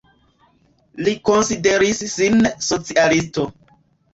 Li konsideris sin socialisto.